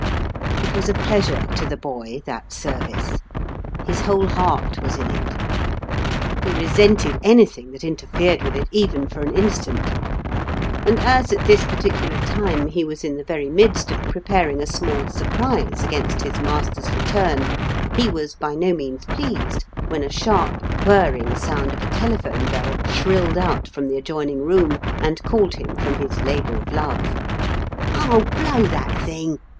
It was a pleasure to the boy, that service. His whole heart was in it. He resented anything that interfered with it even for an instant; and as at this particular time he was in the very midst of preparing a small surprise against his master's return, he was by no means pleased when a sharp whirring sound of a telephone bell shrilled out from the adjoining room and called him from his labour of love. "Oh, blow that thing!